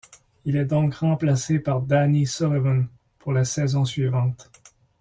Il est donc remplacé par Danny Sullivan pour la saison suivante.